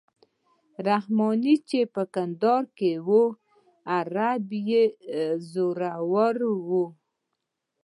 رحماني چې په کندهار کې وو عربي یې زوروره وه.